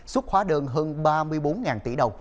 xuất khóa đơn hơn ba mươi bốn tỷ đồng